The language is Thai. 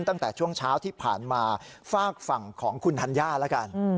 ตั้งแต่ช่วงเช้าที่ผ่านมาฝากฝั่งของคุณธัญญาแล้วกัน